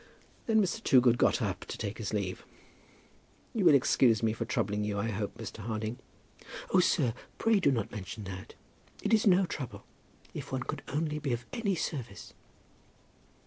Then Mr. Toogood got up to take his leave. "You will excuse me for troubling you, I hope, Mr. Harding." "Oh, sir, pray do not mention that. It is no trouble, if one could only be of any service."